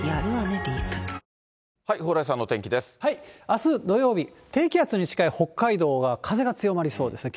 あす土曜日、低気圧に近い北海道は、風が強まりそうですね。